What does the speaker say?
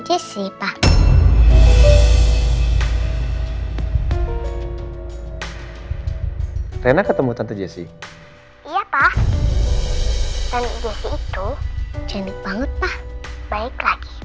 jessy pak rena ketemu tante jessy iya pak tani jessy itu cantik banget pak baik lagi